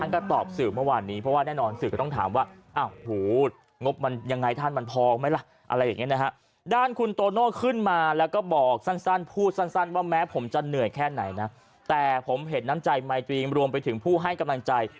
แค่ไหนนะแต่ผมเห็นน้ำใจไม่จริงรวมไปถึงผู้ให้กำลังใจ